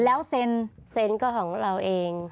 แล้วเซ็นก็ของเราเอง